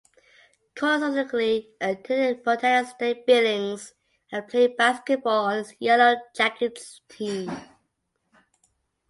Cole subsequently attended Montana State Billings and played basketball on its Yellow Jackets team.